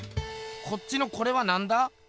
こっちのこれはなんだ？